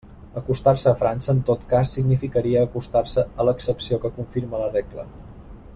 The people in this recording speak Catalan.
Acostar-se a França en tot cas significaria acostar-se a l'excepció que confirma la regla.